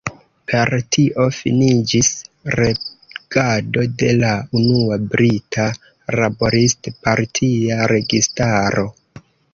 Per tio finiĝis regado de la unua brita Laborist-partia registaro.